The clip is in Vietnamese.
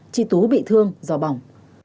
chị tú bị thương do bỏng